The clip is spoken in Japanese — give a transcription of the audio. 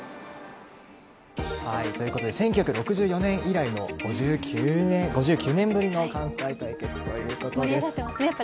ということで１９６４年以来の５９年ぶりの関西対決ということです。